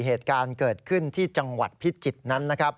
เหตุการณ์เกิดขึ้นที่จังหวัดพิจิตรนั้นนะครับ